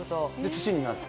土になって。